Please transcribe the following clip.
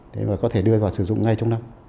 đấy và có thể đưa vào sử dụng ngay trong năm